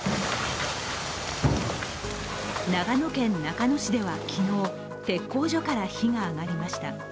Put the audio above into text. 長野県中野市では昨日、鉄工所から火が上がりました。